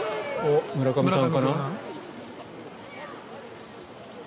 お、村上さんかな。